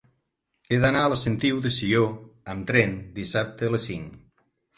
He d'anar a la Sentiu de Sió amb tren dissabte a les cinc.